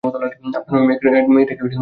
আপনারা ওই মেয়েকে কত টাকা দিবেন?